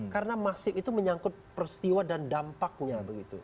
karena masif itu menyangkut peristiwa dan dampaknya